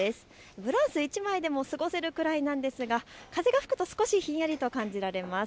ブラウス１枚でも過ごせるくらいなんですが風が吹くと少しひんやりと感じられます。